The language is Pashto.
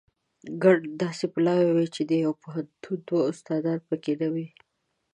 ګڼ داسې پلاوي وو چې د یوه پوهنتون دوه استادان په کې نه وو.